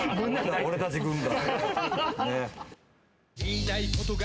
俺たち軍団。